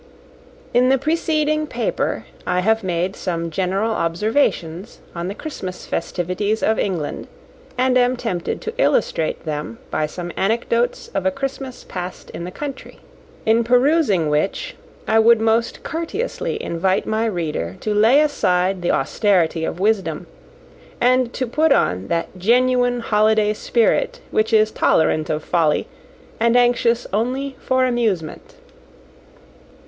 In the preceding paper I have made some general observations on the Christmas festivities of England, and am tempted to illustrate them by some anecdotes of a Christmas passed in the country; in perusing which, I would most courteously invite my reader to lay aside the austerity of wisdom, and to put on that genuine holiday spirit which is tolerant of folly, and anxious only for amusement.